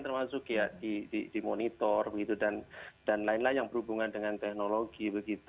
termasuk ya dimonitor dan lain lain yang berhubungan dengan teknologi